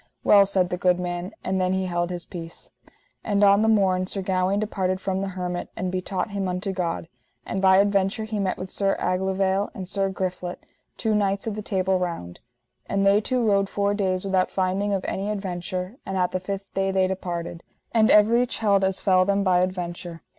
Well, said the good man, and then he held his peace. And on the morn Sir Gawaine departed from the hermit, and betaught him unto God. And by adventure he met with Sir Aglovale and Sir Griflet, two knights of the Table Round. And they two rode four days without finding of any adventure, and at the fifth day they departed. And everych held as fell them by adventure.